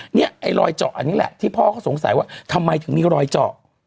เนี่ยไอ้รอยเจาะอันนี้แหละที่พ่อเขาสงสัยว่าทำไมถึงมีรอยเจาะ